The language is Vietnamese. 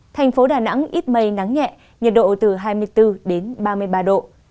thành phố đà nẵng ít mây nắng nhẹ nhiệt độ từ hai mươi đến ba mươi năm độ